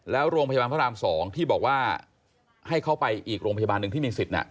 แล้วโรงพยาบาลพระราม๒ที่บอกว่าให้เขาไปอีกโรงพยาบาลหนึ่งที่มีสิทธิ์